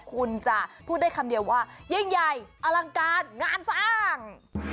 คุณจะพูดได้คำเดียวว่ายิ่งใหญ่อลังการงานสร้าง